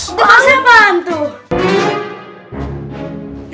itu pas apaan tuh